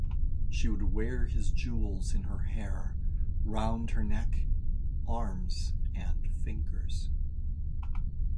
She would wear her jewels in her hair, round her neck, arms and fingers.